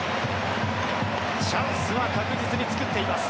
チャンスは確実に作っています。